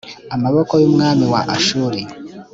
amaboko y umwami wa ashuri